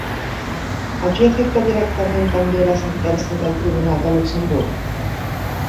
A qui afecta directament també la sentència del Tribunal de Luxemburg?